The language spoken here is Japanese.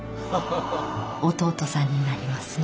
弟さんになりますね。